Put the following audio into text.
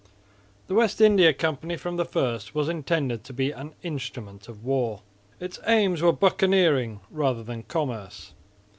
The West India Company from the first was intended to be an instrument of war. Its aims were buccaneering rather than commerce.